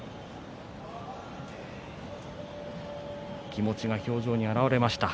気持ちが表情に現れました。